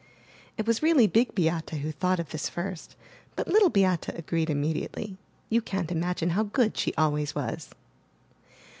It was really Big Beate who thought of this first, but Little Beate agreed immediately; you can't imagine how good she always was.